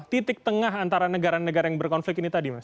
titik tengah antara negara negara yang berkonflik ini tadi mas